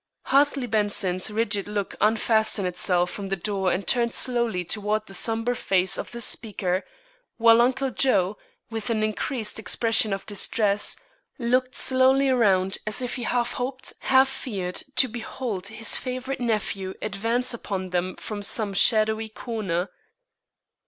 Hartley Benson's rigid look unfastened itself from the door and turned slowly toward the sombre face of the speaker, while Uncle Joe, with an increased expression of distress, looked slowly around as if he half hoped, half feared to behold his favorite nephew advance upon them from some shadowy corner.